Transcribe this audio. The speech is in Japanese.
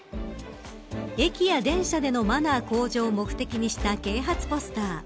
駅や電車でのマナー向上を目的にした啓発ポスター。